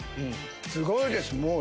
すごいですもう！